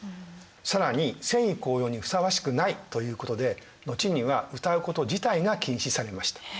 更に戦意高揚にふさわしくないということで後には歌うこと自体が禁止されました。